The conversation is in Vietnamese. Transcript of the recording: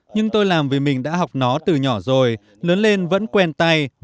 nhưng tôi làm vì mình đã học nó từ nhỏ rồi lớn lên vẫn quen tay vẫn muốn làm